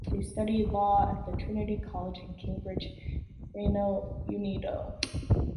They studied law at the Trinity college in Cambridge, Reino Unido.